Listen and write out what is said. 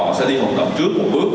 nếu mà họ sẽ đi học tập trước một bước